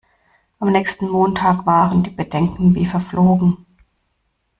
Am nächsten Morgen waren die Bedenken wie verflogen.